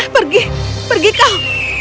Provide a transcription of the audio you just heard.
pergi pergi kau